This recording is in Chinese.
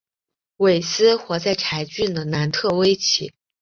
韦斯活在柴郡的南特威奇。